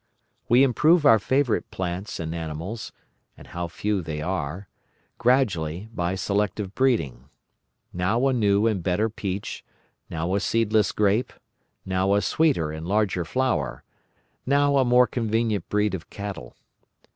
We improve our favourite plants and animals—and how few they are—gradually by selective breeding; now a new and better peach, now a seedless grape, now a sweeter and larger flower, now a more convenient breed of cattle.